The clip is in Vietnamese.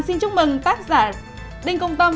xin chúc mừng tác giả đinh công tâm